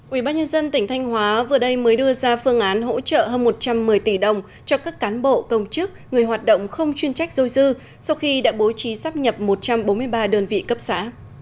ubnd tỉnh thanh hóa vừa đây mới đưa ra phương án hỗ trợ hơn một trăm một mươi tỷ đồng cho các cán bộ công chức người hoạt động không chuyên trách dôi dư sau khi đã bố trí sắp nhập một trăm bốn mươi ba đơn vị cấp xã